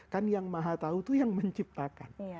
kan yang maha tahu itu yang menciptakan